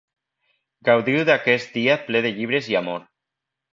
Gaudiu d’aquest dia ple de llibres i amor.